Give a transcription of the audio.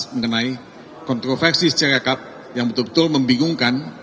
mengenai kontroversi syarikat yang betul betul membingungkan